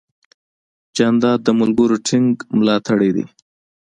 جانداد د ملګرو ټینګ ملاتړ دی.